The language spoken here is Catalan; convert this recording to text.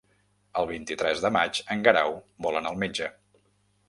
El vint-i-tres de maig en Guerau vol anar al metge.